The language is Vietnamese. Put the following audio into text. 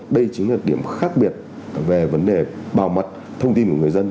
đây chính là điểm khác biệt về vấn đề bảo mật thông tin của người dân